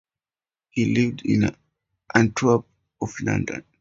He lives in Antwerp and London.